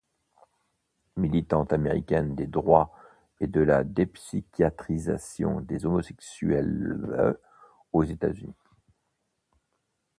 Militante américaine des droits et de la dépsychiatrisation des homosexuel.le.s aux États-Unis.